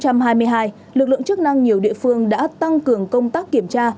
trong tháng chín năm hai nghìn hai mươi hai lực lượng chức năng nhiều địa phương đã tăng cường công tác kiểm tra